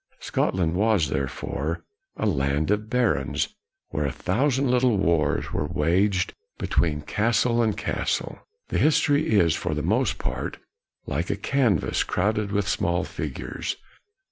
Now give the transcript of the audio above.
Scotland was, therefore, a land of barons, where a thousand little wars 132 KNOX were waged between castle and castle. The history is for the most part like a canvas crowded with small figures.